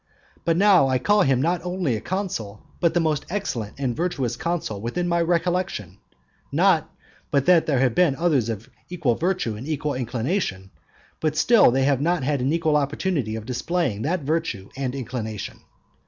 But now I call him not only a consul, but the most excellent and virtuous consul within my recollection; not but that there have been others of equal virtue and equal inclination, but still they have not had an equal opportunity of displaying that virtue and inclination.